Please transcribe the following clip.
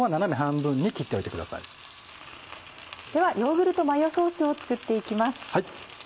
ではヨーグルトマヨソースを作っていきます。